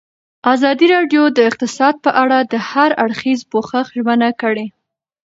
ازادي راډیو د اقتصاد په اړه د هر اړخیز پوښښ ژمنه کړې.